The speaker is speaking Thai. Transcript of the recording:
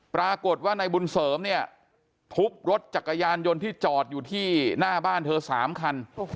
ปรากฏว่านายบุญเสริมเนี่ยทุบรถจักรยานยนต์ที่จอดอยู่ที่หน้าบ้านเธอ๓คัน